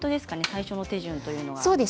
最初の手順というのは。